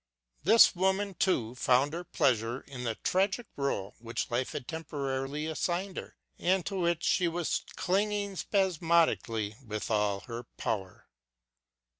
This woman, too, found her pleasure in the tragic role which life had temporarily assigned her and to which she was clinging spasmodically with all her power.